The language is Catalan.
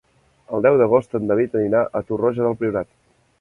El deu d'agost en David anirà a Torroja del Priorat.